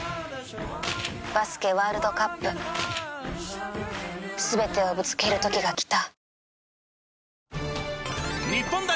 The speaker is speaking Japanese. バスケワールドカップすべてをぶつける時がきた